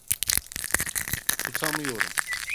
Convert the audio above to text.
Tutamıyorum!